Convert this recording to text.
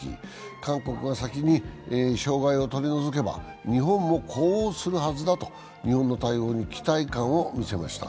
韓国が先に障害を取り除けば日本も呼応するはずだと日本の対応に期待感を見せました。